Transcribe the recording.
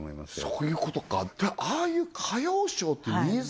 そういうことかああいう歌謡ショーってニーズ